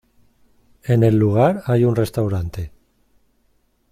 En el lugar hay un restaurante.